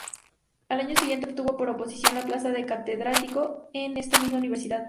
Al año siguiente obtuvo por oposición la plaza de catedrático en esa misma universidad.